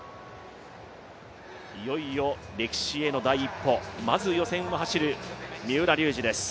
いよいよ歴史への第一歩、まず予選を走る三浦龍司です。